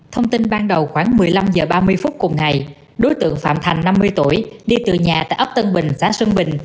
thông tin ban đầu khoảng một mươi năm h ba mươi phút cùng ngày đối tượng phạm thành năm mươi tuổi đi từ nhà tại ấp tân bình xã sơn bình